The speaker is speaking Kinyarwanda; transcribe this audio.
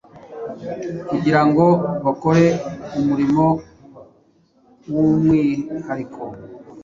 kugira ngo bakore umurimo w’umwihariko,